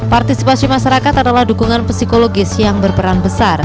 partisipasi masyarakat adalah dukungan psikologis yang berperan besar